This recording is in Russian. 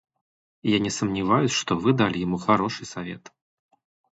Я не сомневаюсь, что Вы ему дали хороший совет.